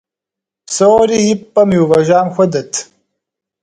Псори и пӏэм иувэжам хуэдэт.